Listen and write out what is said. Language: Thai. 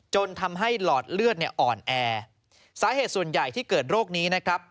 จนทำให้หลอดเลือดเนี่ยอ่อนแอสาเหตุส่วนใหญ่ที่เกิดโรคนี้นะครับ